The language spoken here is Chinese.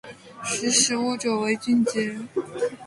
识时务者为俊杰